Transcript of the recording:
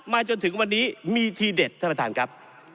จนถึงวันนี้มีทีเด็ดท่านประธานครับ